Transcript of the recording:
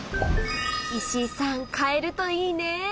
石井さん買えるといいね。